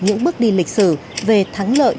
những bước đi lịch sử về thắng lợi